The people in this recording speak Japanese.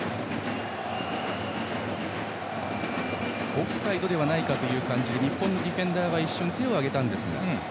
オフサイドではないかという感じで日本のディフェンダーは一瞬手を上げましたが。